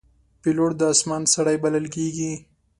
پیلوټ د آسمان سړی بلل کېږي.